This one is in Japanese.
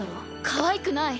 かわいくない！